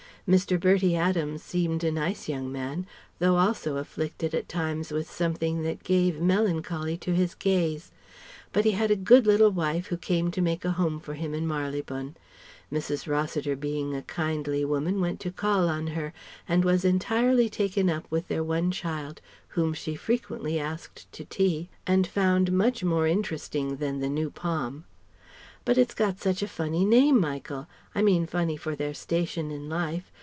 Mr. Bertie Adams seemed a nice young man, though also afflicted at times with something that gave melancholy to his gaze. But he had a good little wife who came to make a home for him in Marylebone. Mrs. Rossiter being a kindly woman went to call on her and was entirely taken up with their one child whom she frequently asked to tea and found much more interesting than the new Pom. "But it's got such a funny name, Michael; I mean funny for their station in life.